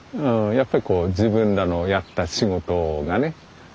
やっぱりこう自分らのやった仕事がね